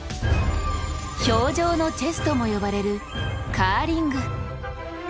氷上のチェスとも呼ばれるカーリング。